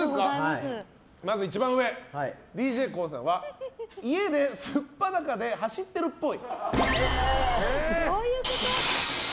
まず一番上ＤＪＫＯＯさんは家で素っ裸で走ってるっぽい。